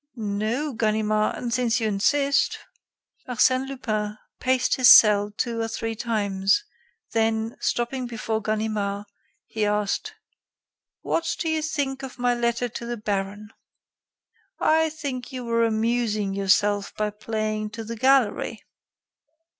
"No, Ganimard, and since you insist " Arsène Lupin paced his cell two or three times, then, stopping before Ganimard, he asked: "What do you think of my letter to the baron?" "I think you were amusing yourself by playing to the gallery."